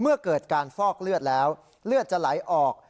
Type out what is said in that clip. เมื่อเกิดการฟอกเลือดแล้วเลือดจะไหลออก